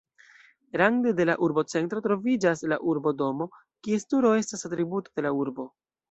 Rande de la urbocentro troviĝas la urbodomo, kies turo estas atributo de la urbo.